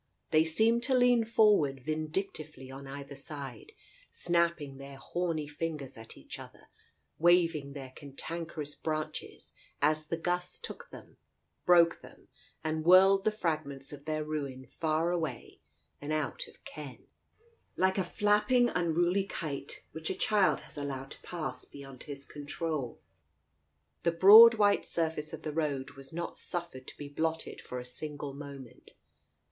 They seemed to lean forward vindictively on either side, snapping their horny fingers at each other, waving their cantankerous branches as the gusts took them, broke them, and whirled the fragments of their ruin far away and out of ken, like a flapping, unruly kite which a child has allowed to pass beyond his control. The broad white surface of the road was not suffered to be blotted for a single moment.